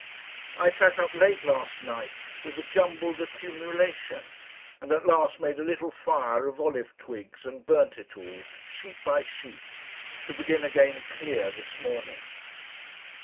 I sat up late last night with the jumbled accumulation; and at last made a little fire of olive twigs and burnt it all, sheet by sheet to begin again clear this morning.